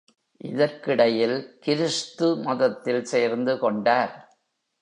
இதற்கிடையில் கிருஸ்து மதத்தில் சேர்ந்து கொண்டார்.